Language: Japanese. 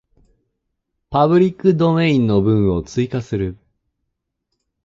パブリックドメインの文を追加する